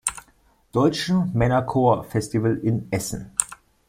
Deutschen Männerchor-Festival in Essen.